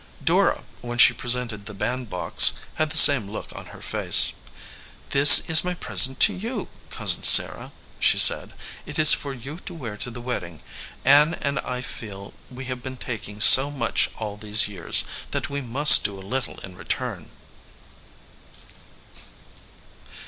Dora, when she presented the bandbox, had the same look on her face. "This is my present to you, Cousin Sarah," she said. "It is for you to wear to the wedding. Ann and I feel that we have been taking so much all these years, that we must do a little in return.